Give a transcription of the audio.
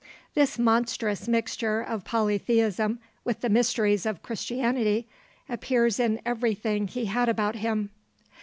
This monstrous mixture of polytheism with the mysteries of Christianity, appears in everything he had about him.